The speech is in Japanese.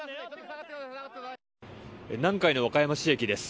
南海の和歌山市駅です。